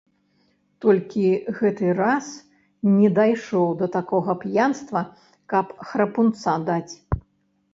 Толькі гэты раз не дайшоў да гэтакага п'янства, каб храпунца даць.